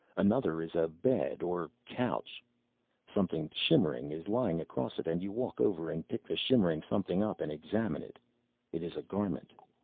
Another is a bed, or couch. Something shimmering is lying across it and you walk over and pick the shimmering something up and examine it. It is a garment.